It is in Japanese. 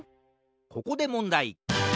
ここでもんだい！